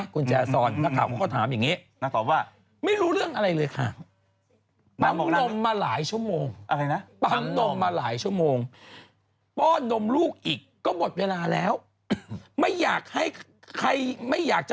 คุณแจ่ซอนนางข่าวเขาก็ถามอย่างนี้